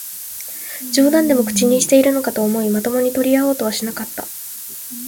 冗談でも口にしているのかと思い、まともに取り合おうとはしなかった